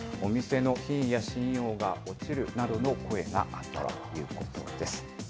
その理由としては、お店の品位や信用が落ちるなどの声があったということです。